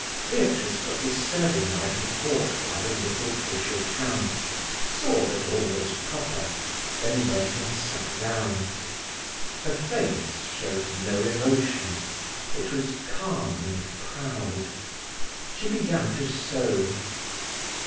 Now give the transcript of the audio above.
Beatrice put the serving knife and fork by the little dish of ham, saw that all was proper, then went and sat down. Her face showed no emotion; it was calm and proud. She began to sew.